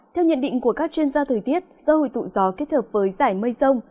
theo nhận định của các chuyên gia thời tiết do hồi tụ gió kết hợp với giải mây rông